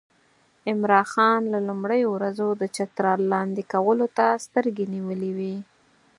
عمرا خان له لومړیو ورځو د چترال لاندې کولو ته سترګې نیولې وې.